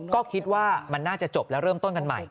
ก็คิดว่ามันน่าจะจบแล้วเริ่มต้นกันใหม่